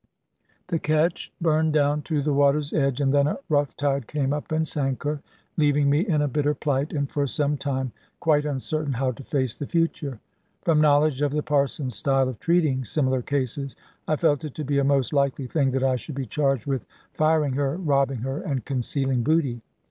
The ketch burned down to the water's edge, and then a rough tide came up and sank her, leaving me in a bitter plight, and for some time quite uncertain how to face the future. From knowledge of the Parson's style of treating similar cases, I felt it to be a most likely thing that I should be charged with firing her, robbing her, and concealing booty.